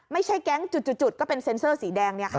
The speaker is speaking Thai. ไม่ใช่แก๊งจุดก็เป็นเซ็นเซอร์สีแดง